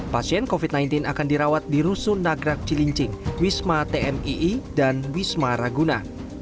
pasien covid sembilan belas akan dirawat di rusun nagrak cilincing wisma tmii dan wisma raguna